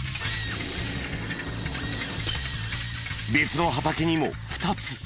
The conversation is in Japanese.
別の畑にも２つ。